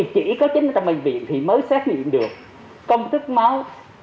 chỉ có chính trong bệnh viện thì mới xét nghiệm được công thức máu